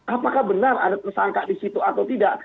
apakah benar ada tersangka disitu atau tidak